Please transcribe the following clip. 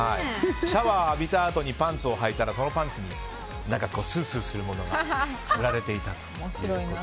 シャワー浴びたあとにパンツをはいたらそのパンツにスースーするものが塗られていたと。